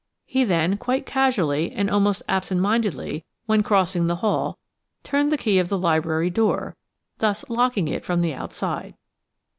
He then, quite casually and almost absent mindedly, when crossing the hall, turned the key of the library door, thus locking it from the outside.